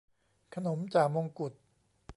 ขนมจ่ามงกุฎ